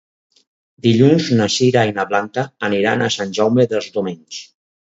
Dilluns na Sira i na Blanca aniran a Sant Jaume dels Domenys.